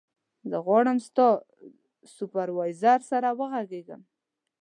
زه غواړم ستا سوپروایزر سره وغږېږم.